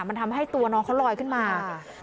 มันทำให้ตัวน้องเขาลอยขึ้นมา